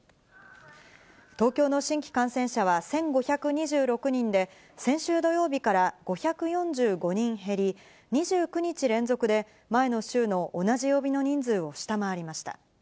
東京の新規感染者は１５２６人で、先週土曜日から５４５人減り、２９日連続で、前の週の同じ曜日の人数を下回りました。